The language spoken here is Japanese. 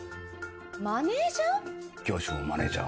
マネ−ジャー？